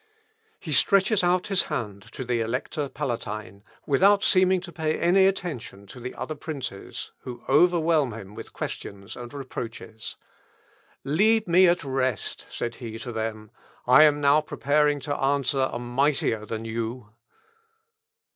He stretches out his hand to the Elector Palatine, without seeming to pay any attention to the other princes, who overwhelm him with questions and reproaches: "Leave me at rest," said he to them; "I am now preparing to answer a mightier than you!..."